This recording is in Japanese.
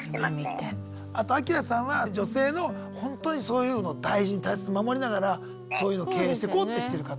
あとアキラさんは女性のホントにそういうのを大事に大切に守りながらそういうのを経営してこうってしてる方なんです。